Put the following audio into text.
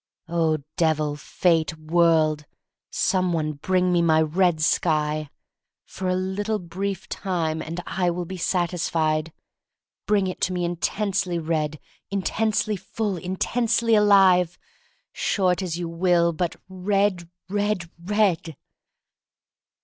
Oh, Devil, Fate, World — some one, bring me my red sky! For a little brief time, and I will be satisfied. Bring it to me intensely red, intensely full, in tensely alive! Short as you will, but red, red, red!